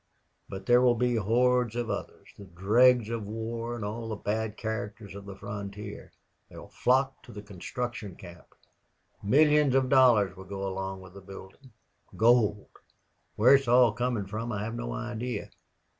But there will be hordes of others the dregs of the war and all the bad characters of the frontier. They will flock to the construction camp. Millions of dollars will go along with the building. Gold!... Where it's all coming from I have no idea.